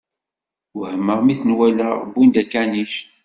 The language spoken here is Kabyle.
Wehmeɣ mi ten-walaɣ wwin-d akanic.